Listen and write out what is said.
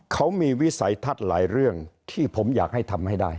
เขามีวิสัยทัศน์หลายเรื่องที่ผมอยากให้ทำให้ได้